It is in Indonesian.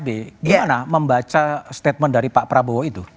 bagaimana membaca statement dari pak prabowo itu